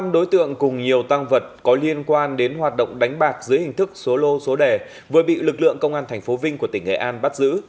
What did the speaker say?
năm đối tượng cùng nhiều tăng vật có liên quan đến hoạt động đánh bạc dưới hình thức số lô số đẻ vừa bị lực lượng công an tp vinh của tỉnh nghệ an bắt giữ